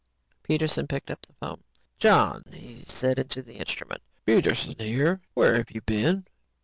Peterson picked up the phone. "John," he shouted into the instrument, "Peterson here. Where have you been?"